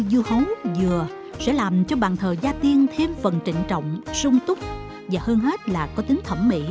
dưa hấu dừa sẽ làm cho bàn thờ gia tiên thêm phần trịnh trọng sung túc và hơn hết là có tính thẩm mỹ